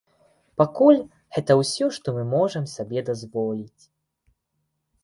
Пакуль гэта ўсё, што мы можам сабе дазволіць.